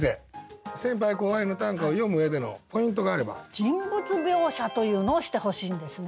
「人物描写」というのをしてほしいんですね。